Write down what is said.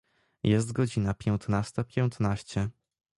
Jest godzina piętnasta piętnaście.